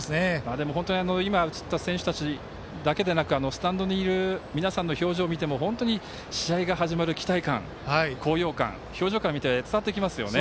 でも本当に今、映った選手たちだけではなくスタンドの皆さんの表情を見ても本当に試合が始まる期待感や高揚感が表情から見て伝わってきますね。